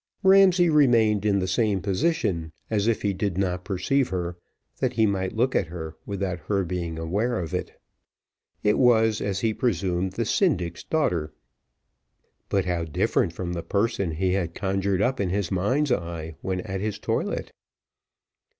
Ramsay remained in the same position, as if he did not perceive her, that he might look at her without her being aware of it. It was, as he presumed, the syndic's daughter; but how different from the person he had conjured up in his mind's eye, when at his toilet!